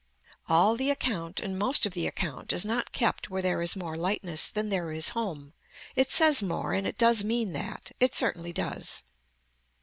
All the account and most of the account is not kept where there is more lightness than there is home. It says more and it does mean that. It certainly does.